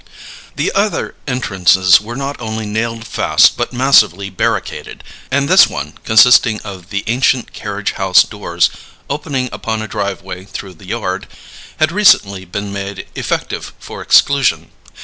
The other entrances were not only nailed fast but massively barricaded; and this one (consisting of the ancient carriage house doors, opening upon a driveway through the yard) had recently been made effective for exclusion.